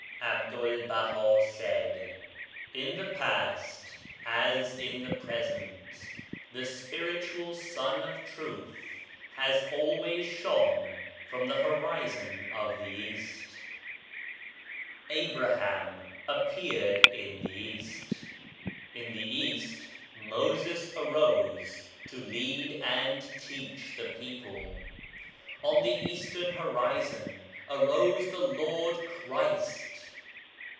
A BDUL B AHA said : J ^* In the past, as in the present, the Spiritual Sun of Truth has always shone from the horizon of the East. Abraham appeared in the East. In the East Moses arose to lead and teach the people. On the Eastern horizon arose the Lord Christ.